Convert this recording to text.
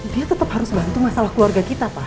dia tetep harus bantu masalah keluarga kita pa